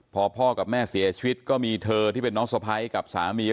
พอพ่อกับแม่เสียชีวิตก็มีเธอที่เป็นน้องสะพ้ายกับสามี